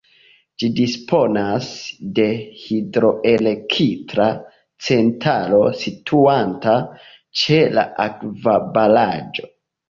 Ĝi disponas de hidroelektra centralo situanta ĉe la akvobaraĵo.